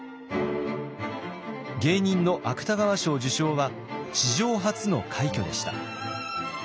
芸人の芥川賞受賞は史上初の快挙でした。